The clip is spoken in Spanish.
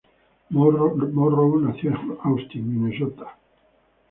Morrow nació en Austin, Minnesota.